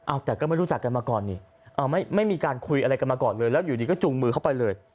เอาแต่ก็ไม่รู้จักกันมาก่อนนี่ไม่มีการคุยอะไรกันมาก่อนเลยแล้วอยู่ดีก็จุงมือเข้าไปเลย